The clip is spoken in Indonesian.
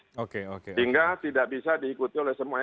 sehingga tidak bisa diikuti oleh semua